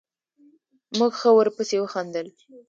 موږ ښه ورپسې وخندل.